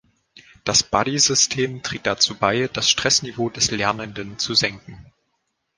Das Buddy-System trägt dazu bei, das Stressniveau des Lernenden zu senken.